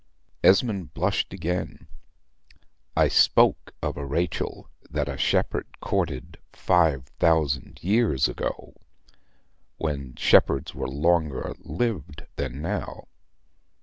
Esmond blushed again. "I spoke of a Rachel that a shepherd courted five thousand years ago; when shepherds were longer lived than now.